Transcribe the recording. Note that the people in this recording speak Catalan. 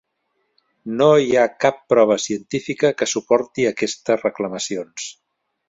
No hi ha cap prova científica que suporti aquestes reclamacions.